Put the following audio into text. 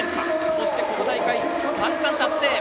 そしてこの大会３冠達成！